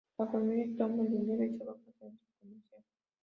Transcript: La familia toma el dinero y se va al centro comercial.